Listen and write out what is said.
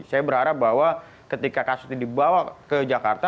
saya berharap bahwa ketika kasus ini dibawa ke jakarta